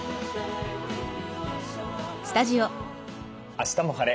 「あしたも晴れ！